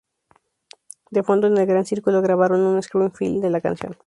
De fondo en el gran círculo grabaron un Screen Film de la canción.